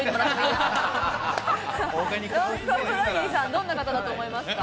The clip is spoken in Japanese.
どんな方だと思いますか？